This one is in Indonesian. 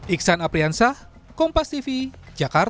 iksan apriansah kompas tv jakarta